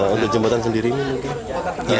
untuk jembatan sendiri ini mungkin